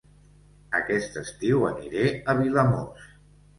Aquest estiu aniré a Vilamòs